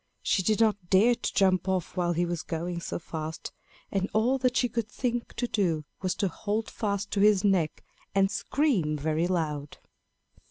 She did not dare to jump off while he was going so fast, and all that she could think to do was to hold fast to his neck and scream very loud.